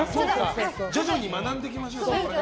徐々に学んでいきましょう。